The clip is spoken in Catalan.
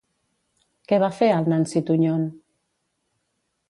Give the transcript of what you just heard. Què va fer al Nancy Tuñón?